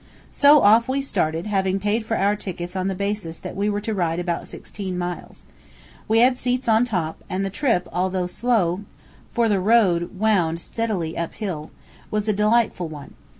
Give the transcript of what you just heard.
So, off we started, having paid for our tickets on the basis that we were to ride about sixteen miles. We had seats on top, and the trip, although slow, for the road wound uphill steadily, was a delightful one.